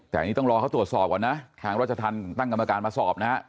แต่อันนี้ต้องรอเขาตรวจสอบก่อนนะทางราชธรรมตั้งกรรมการมาสอบนะฮะ